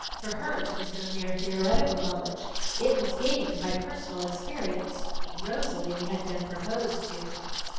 For hers was no mere theoretical knowledge; it was gained by personal experience. Rosalie had been proposed to!